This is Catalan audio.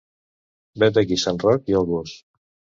Vet aquí sant Roc i el gos.